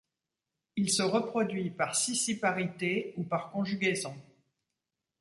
Il se reproduit par scissiparité ou par conjugaison.